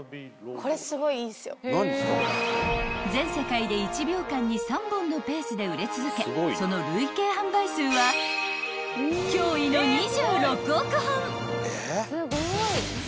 ［全世界で１秒間に３本のペースで売れ続けその累計販売数は驚異の２６億本］